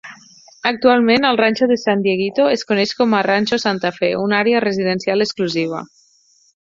Actualment, el Ranxo San Dieguito es coneix com a Ranxo Santa Fe, una àrea residencial exclusiva.